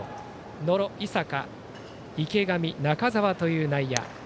野呂、井坂、池上中澤という内野。